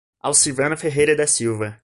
Alcivana Ferreira da Silva